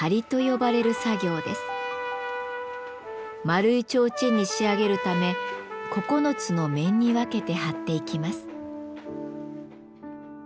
丸い提灯に仕上げるため９つの面に分けて張っていきます。